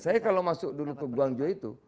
saya kalau masuk dulu ke guangzhou itu